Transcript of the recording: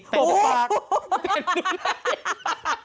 ตบปาก